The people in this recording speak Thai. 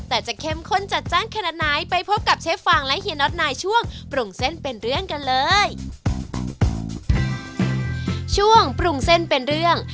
แต่จะเข้มข้นจัดจ้างแค่นั้นไหนไปพบกับเชฟวางและเฮียนอ๊อตนายช่วงปรุงเส้นเป็นเรื่องกันเลย